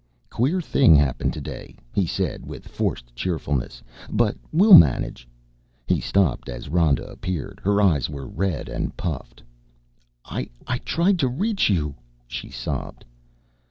"Queer thing happened today," he said with forced cheerfulness, "but we'll manage." He stopped as Rhoda appeared. Her eyes were red and puffed. "I tried to reach you," she sobbed.